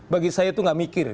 bagi saya itu gak mikir